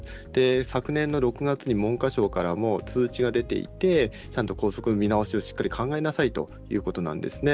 昨年の６月に文科省からも通知が出ていて、ちゃんと校則を見直すようしっかり考えなさいということなんですね。